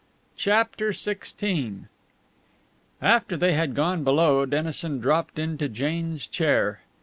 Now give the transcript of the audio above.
CHAPTER XVI After they had gone below Dennison dropped into Jane's chair.